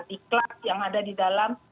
di kelas yang ada di dalam